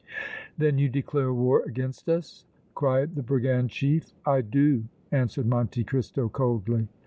"Then you declare war against us?" cried the brigand chief. "I do!" answered Monte Cristo, coldly.